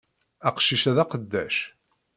Aqcic-a d aqeddac!